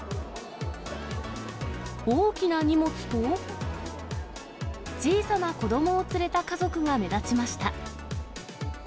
大きな荷物と、小さな子どもを連れた家族が目立ちました。